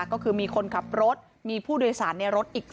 ก็คือมีคนขับรถมีผู้โดยสารในรถอีก